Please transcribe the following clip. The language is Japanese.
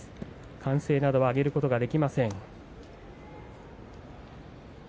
歓声などを上げることはできません。